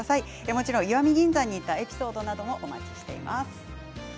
もちろん石見銀山に行ったエピソードもお待ちしております。